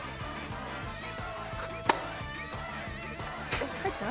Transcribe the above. えっ入った？